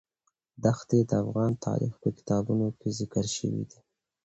دښتې د افغان تاریخ په کتابونو کې ذکر شوی دي.